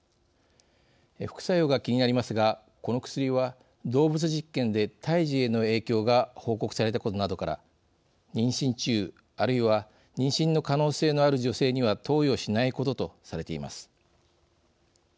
副作用が気になりますがこの薬は、動物実験で胎児への影響が報告されたことなどから妊娠中あるいは妊娠の可能性のある女性には投与しないこととされています。